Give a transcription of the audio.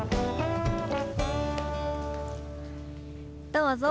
どうぞ。